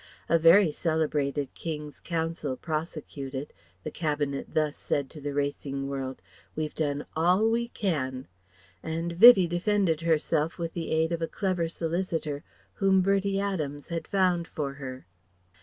A very celebrated King's Counsel prosecuted the Cabinet thus said to the Racing World "We've done all we can" and Vivie defended herself with the aid of a clever solicitor whom Bertie Adams had found for her.